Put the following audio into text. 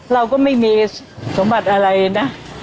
เราก็ไม่มีสมบัติอะไรนะ